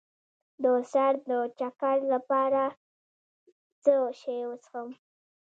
د سر د چکر لپاره باید څه شی وڅښم؟